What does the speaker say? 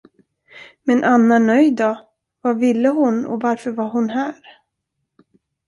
Men Anna Nöjd då, vad ville hon och varför var hon här?